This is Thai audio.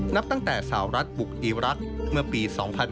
นับตั้งแต่สาวรัฐบุกอีรักษ์เมื่อปี๒๕๕๙